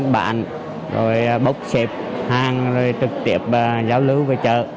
bốn bạn rồi bốc xếp hàng rồi trực tiếp giáo lưu về chợ